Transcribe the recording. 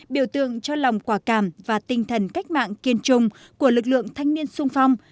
biểu tượng cho lòng quả cảm và tinh thần cách mạng kiên trung của lực lượng thanh niên sung phong